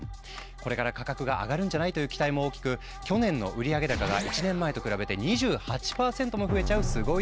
「これから価格が上がるんじゃない？」という期待も大きく去年の売上高が１年前と比べて２８％も増えちゃうすごい勢いなんです。